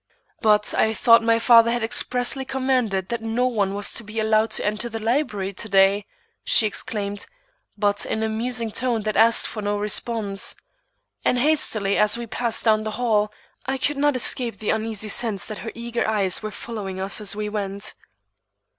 "But I thought my father had expressly commanded that no one was to be allowed to enter the library to day," she exclaimed, but in a musing tone that asked for no response. And hastily as we passed down the hall, I could not escape the uneasy sense that her eager eyes were following us as we went.